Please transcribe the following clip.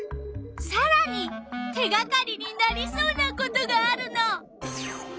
さらに手がかりになりそうなことがあるの。